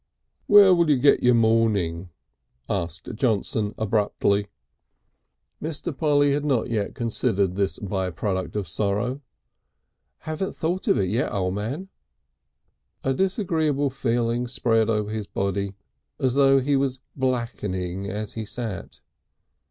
"Where'll you get your mourning?" asked Johnson abruptly. Mr. Polly had not yet considered this by product of sorrow. "Haven't thought of it yet, O' Man." A disagreeable feeling spread over his body as though he was blackening as he sat.